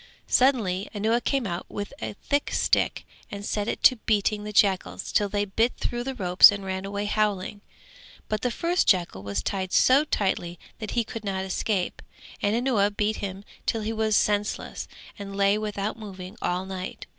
Suddenly Anuwa came out with a thick stick and set to beating the jackals till they bit through the ropes and ran away howling; but the first jackal was tied so tightly that he could not escape, and Anuwa beat him till he was senseless and lay without moving all night.